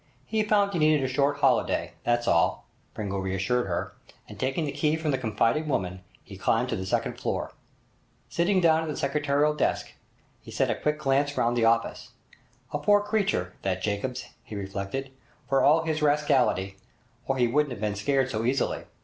He found he needed a short holiday, that's all,' Pringle reassured her, and taking the key from the confiding woman he climbed to the second floor. Sitting down at the secretarial desk, he sent a quick glance round the office. A poor creature, that Jacobs, he reflected, for all his rascality, or he wouldn't have been scared so easily.